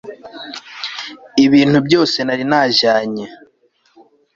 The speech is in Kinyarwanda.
ibintu byose nari najyanye